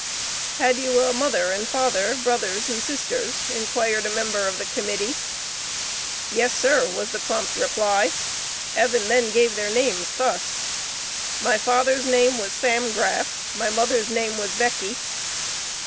Had you a mother and father, brothers and sisters? inquired a member of the Committee. "Yes, sir," was the prompt reply. Evan then gave their names thus: "My father's name was Sam Graff, my mother's name was Becky."